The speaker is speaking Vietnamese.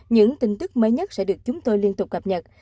những tin tức mới nhất sẽ được chúng tôi liên tục cập nhật